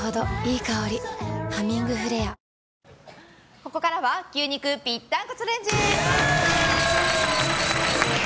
ここからは牛肉ぴったんこチャレンジ！